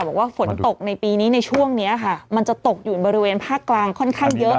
บอกว่าฝนตกในปีนี้ในช่วงนี้ค่ะมันจะตกอยู่บริเวณภาคกลางค่อนข้างเยอะ